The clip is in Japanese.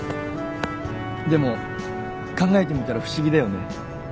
でも考えてみたら不思議だよね。